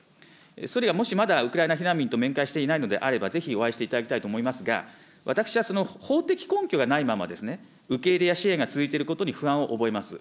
総理がもしまだウクライナ避難民と面会していないのであれば、ぜひお会いしていただきたいと思いますが、私はその法的根拠がないまま、受け入れや支援が続いていることに不安を覚えます。